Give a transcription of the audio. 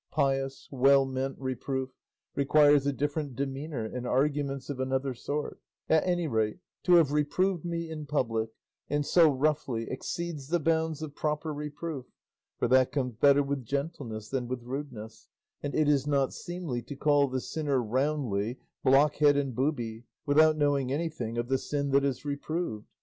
Pious, well meant reproof requires a different demeanour and arguments of another sort; at any rate, to have reproved me in public, and so roughly, exceeds the bounds of proper reproof, for that comes better with gentleness than with rudeness; and it is not seemly to call the sinner roundly blockhead and booby, without knowing anything of the sin that is reproved.